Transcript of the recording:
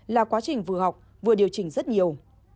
là quá trình vừa học vừa điều chỉnh rất nhiều